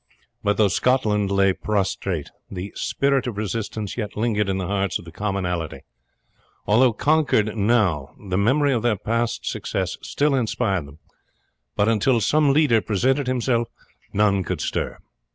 But though Scotland lay prostrate, the spirit of resistance yet lingered in the hearts of the commonalty. Although conquered now the memory of their past success still inspired them, but until some leader presented himself none could stir.